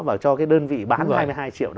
và cho cái đơn vị bán hai mươi hai triệu đó